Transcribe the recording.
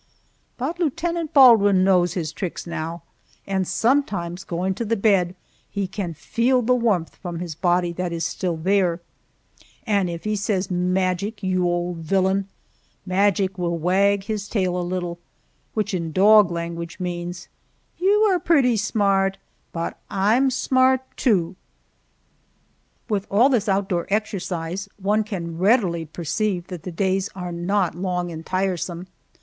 But Lieutenant Baldwin knows his tricks now, and sometimes, going to the bed, he can feel the warmth from his body that is still there, and if he says, "Magic, you old villain," Magic will wag his tail a little, which in dog language means, "You are pretty smart, but I'm smart, too!" With all this outdoor exercise, one can readily perceive that the days are not long and tiresome.